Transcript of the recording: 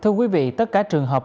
thưa quý vị tất cả trường hợp